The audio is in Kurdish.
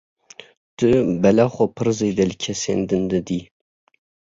Tu bela xwe pir zêde li kesên din didî.